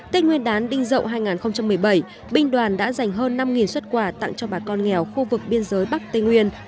tết nguyên đán đinh dậu hai nghìn một mươi bảy binh đoàn đã dành hơn năm xuất quà tặng cho bà con nghèo khu vực biên giới bắc tây nguyên